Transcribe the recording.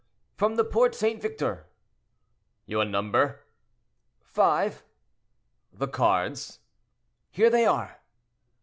"From the Porte St. Victor." "Your number?"—"Five." "The cards?" "Here they are."